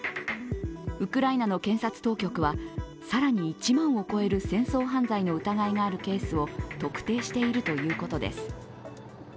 ウクライナの検察当局は、更に１万を超える戦争犯罪の疑いがあるケースを特定しているということです。